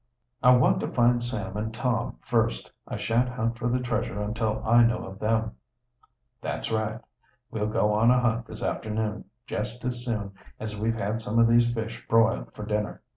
"I want to find Sam and Tom first. I shan't hunt for the treasure until I know of them." "That's right. We'll go on a hunt this afternoon, jest as soon as we've had some of these fish broiled for dinner."